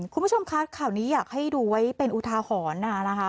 คุณผู้ชมคะข่าวนี้อยากให้ดูไว้เป็นอุทาหรณ์นะคะ